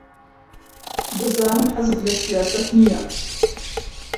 دەزانم حەزت لە سیاسەت نییە.